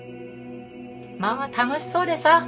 まあ楽しそうでさ。